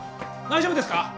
大丈夫ですか？